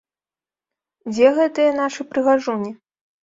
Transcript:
Дзе гэтыя нашы прыгажуні?